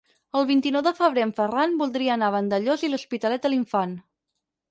El vint-i-nou de febrer en Ferran voldria anar a Vandellòs i l'Hospitalet de l'Infant.